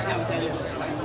jatian epa jayante